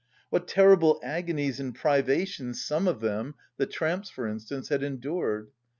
What terrible agonies and privations some of them, the tramps for instance, had endured!